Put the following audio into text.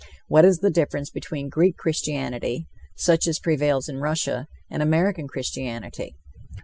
What is the difference between Greek Christianity, such as prevails in Russia, and American Christianity!